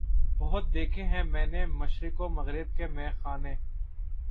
بہت دیکھے ہیں میں نے مشرق و مغرب کے مے خانے